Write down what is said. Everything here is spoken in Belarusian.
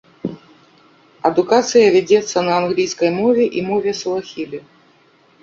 Адукацыя вядзецца на англійскай мове і мове суахілі.